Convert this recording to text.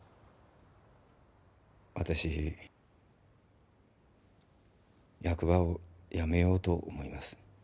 わたし役場を辞めようと思います。